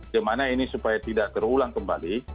gimana ini supaya tidak terulang kembali